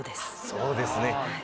そうですね。